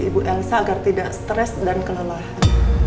ibu elsa agar tidak stres dan kelelahan